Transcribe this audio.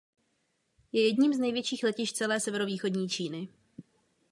Je jedním z největších letišť celé severovýchodní Číny.